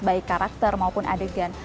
baik karakter maupun adegan